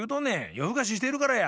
よふかししてるからや。